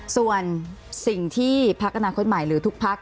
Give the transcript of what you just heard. ส่วนสิ่งที่พักกระนาจเครื่องถไดหรือทุกพัก